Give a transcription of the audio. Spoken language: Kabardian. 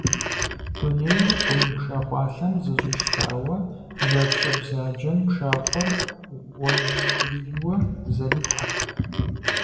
Дунейр къум пшахъуалъэм зэщӀищтауэ, жьапщэ бзаджэм пшахъуэр гъуэжькурийуэ зэрихьэрт.